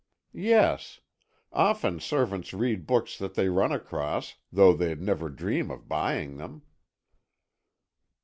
"Yes, often servants read books that they run across, though they'd never dream of buying them."